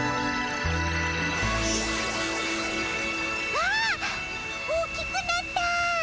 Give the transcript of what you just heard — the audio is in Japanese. あっ大きくなった！